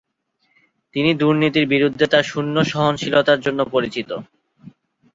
তিনি দুর্নীতির বিরুদ্ধে তার শূন্য সহনশীলতার জন্য পরিচিত।